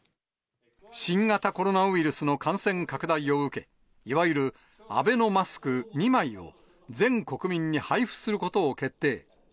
新型コロナウイルスの感染拡大を受け、いわゆるアベノマスク２枚を、全国民に配布することを決定。